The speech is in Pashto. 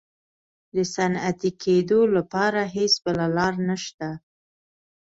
د صنعتي کېدو لپاره هېڅ بله لار نشته.